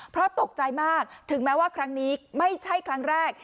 เพราะตกใจมากถึงแม้ว่าครั้งนี้ไม่ใช่ครั้งแรก